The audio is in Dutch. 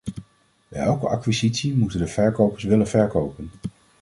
Bij elke acquisitie moeten de verkopers willen verkopen.